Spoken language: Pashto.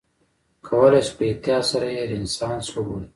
کولای شو په احتیاط سره یې رنسانس وبولو.